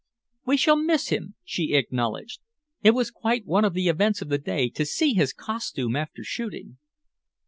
"We shall miss him," she acknowledged. "It was quite one of the events of the day to see his costume after shooting."